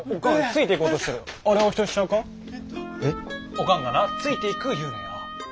おかんがなついていく言うねや。